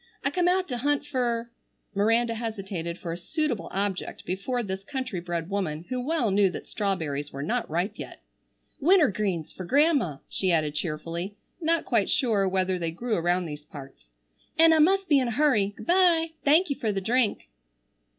I come out to hunt fer"—Miranda hesitated for a suitable object before this country bred woman who well knew that strawberries were not ripe yet—"wintergreens fer Grandma," she added cheerfully, not quite sure whether they grew around these parts, "and I must be in a hurry. Good bye! Thank you fer the drink."